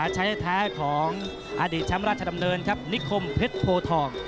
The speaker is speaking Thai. ใช้แท้ของอดีตช้ำราชดำเนินครับนิคมเพชรโภทองค์